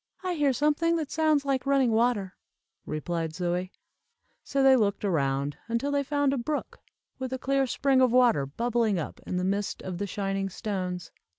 "I hear something that sounds like running water," replied Zoie. So they looked around, until they found a brook, with a clear spring of water bubbling up in the midst of the shining stones.